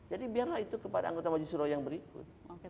jadi biarlah itu kepada anggota maju surau yang berikut